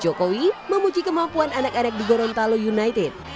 jokowi memuji kemampuan anak anak di gorontalo united